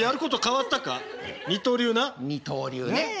二刀流ねえ。